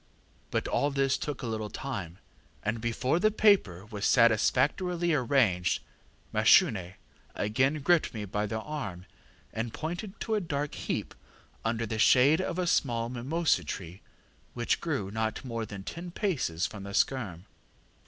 But all this took a little time, and before the paper was satisfactorily arranged, Mashune again gripped me by the arm, and pointed to a dark heap under the shade of a small mimosa tree which grew not more than ten paces from the skerm.